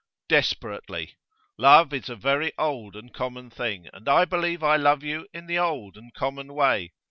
'Desperately. Love is a very old and common thing, and I believe I love you in the old and common way.